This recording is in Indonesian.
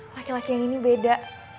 laki laki yang ini beda